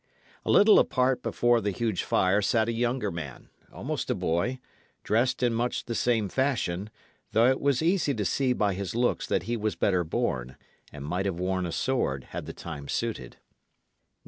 A little apart before the huge fire sat a younger man, almost a boy, dressed in much the same fashion, though it was easy to see by his looks that he was better born, and might have worn a sword, had the time suited.